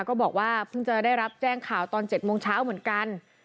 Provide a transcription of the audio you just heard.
ก็บอกว่าเพิ่งจะได้รับแจ้งข่าวตอน๗โมงเช้าเหมือนกัน